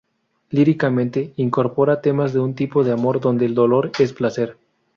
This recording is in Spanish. Líricamente, incorpora temas de un tipo de amor donde el dolor es placer.